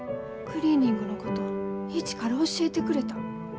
クリーニングのこと一から教えてくれた。